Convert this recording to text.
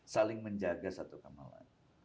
saling menjaga satu sama lain